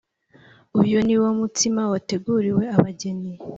Uyu ni wo mutsima wateguriwe abageni